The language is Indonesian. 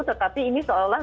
tetapi ini seolah olah